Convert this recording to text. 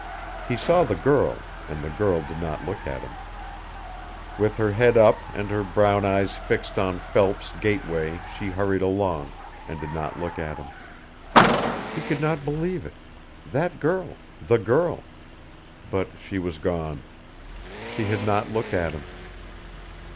He saw the girl, and the girl did not look at him. With her head up and her brown eyes fixed on Phelps gate way she hurried along and did not look at him. He could not believe it that girl the girl. But she was gone; she had not looked at him.